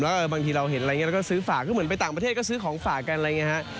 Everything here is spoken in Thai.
บางทีเราเห็นอะไรอย่างนี้แล้วก็ซื้อฝากคือเหมือนไปต่างประเทศก็ซื้อของฝากกันอะไรอย่างนี้ฮะ